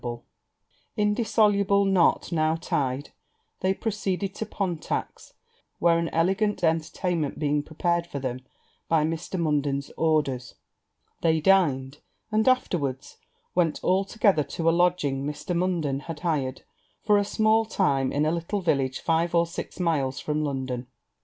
The indissoluble knot now tied, they proceeded to Pontac's; where an elegant entertainment being prepared for them by Mr. Munden's orders, they dined; and afterwards went all together to a lodging Mr. Munden had hired, for a small time, in a little village five or six miles from London.